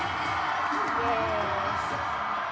イエーイ！